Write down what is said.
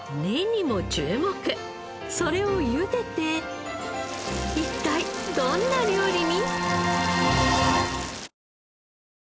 それをゆでて一体どんな料理に？